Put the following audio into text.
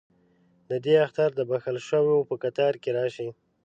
ددې اختر دبخښل شووپه کتار کې راشي